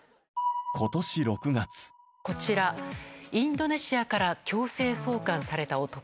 今年６月こちらインドネシアから強制送還された男。